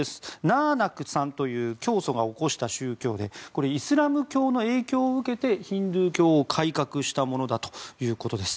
ナーナクさんという教祖が起こした宗教でこれ、イスラム教の影響を受けてヒンドゥー教を改革したものだということです。